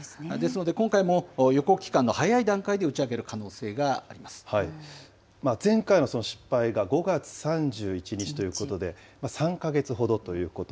ですので今回も予告期間の早い段前回の失敗が５月３１日ということで、３か月ほどということ。